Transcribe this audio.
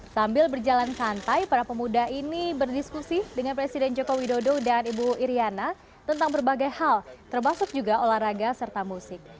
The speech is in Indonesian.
sambil berjalan santai para pemuda ini berdiskusi dengan presiden joko widodo dan ibu iryana tentang berbagai hal termasuk juga olahraga serta musik